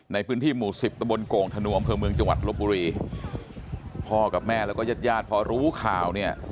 ในพื้นที่หมู่สิบตะบนโก่งธนูอำเภอเมืองจังหวัดลบบุรีพ่อกับแม่แล้วก็ญาติญาติพอรู้ข่าวเนี่ย